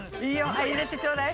はいいれてちょうだい。